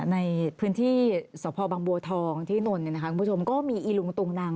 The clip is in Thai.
ในพื้นที่สพบังบัวทองที่นนท์เนี่ยนะคะคุณผู้ชมก็มีอีลุงตุงนัง